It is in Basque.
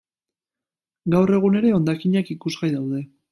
Gaur egun ere hondakinak ikusgai daude.